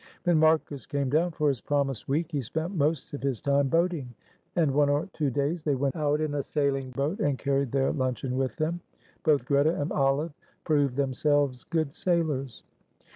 When Marcus came down for his promised week, he spent most of his time boating, and one or two days they went out in a sailing boat and carried their luncheon with them. Both Greta and Olive proved themselves good sailors.